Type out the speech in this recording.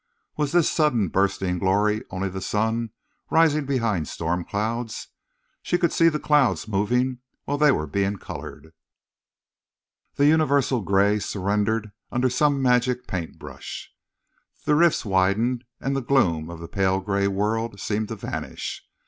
Was this sudden bursting glory only the sun rising behind storm clouds? She could see the clouds moving while they were being colored. The universal gray surrendered under some magic paint brush. The rifts widened, and the gloom of the pale gray world seemed to vanish.